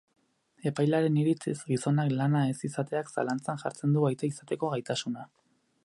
Epailearen iritziz, gizonak lana ez izateak zalantzan jartzen du aita izateko gaitasuna.